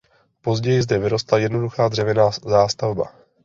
Později zde vyrostla jednoduchá dřevěná zástavba.